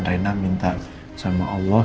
rena minta sama allah